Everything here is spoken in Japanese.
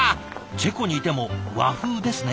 チェコにいても和風ですね。